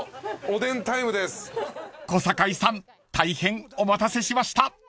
［小堺さん大変お待たせしました］